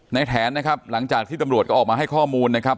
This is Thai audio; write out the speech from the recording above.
แถนนะครับหลังจากที่ตำรวจก็ออกมาให้ข้อมูลนะครับ